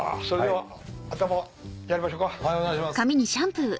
はいお願いします。